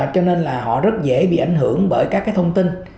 cho nên là họ rất dễ bị ảnh hưởng bởi các thông tin